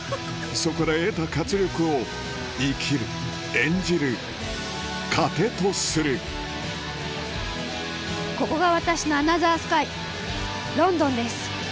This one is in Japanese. そこで得た活力を生きる演じる糧とするここが私のアナザースカイロンドンです。